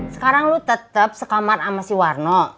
sekarang lu tetap sekamar sama si warno